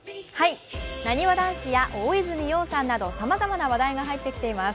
なにわ男子や大泉洋さんなどさまざまな話題が入っています。